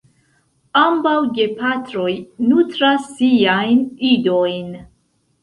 Ambaŭ gepatroj nutras siajn idojn.